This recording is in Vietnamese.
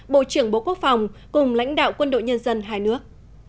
bộ trưởng bộ quốc phòng cùng lãnh đạo quân đội nhân dân hai nước